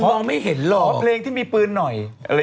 ขอเพลงที่มีปืนหน่อย